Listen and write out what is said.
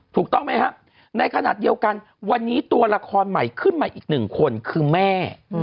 ถูกต้องไหมครับในขณะเดียวกันวันนี้ตัวละครใหม่ขึ้นมาอีกหนึ่งคนคือแม่